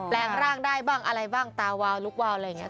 แรงร่างได้บ้างอะไรบ้างตาวาวลุกวาวอะไรอย่างนี้